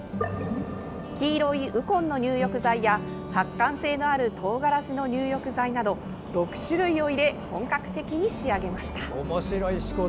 黄色いウコンの入浴剤や発汗性のあるトウガラシの入浴剤など６種類を入れ本格的に仕上げました。